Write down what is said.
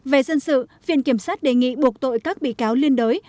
về dân sự phiên kiểm soát đề nghị buộc tội các bị cáo liên đối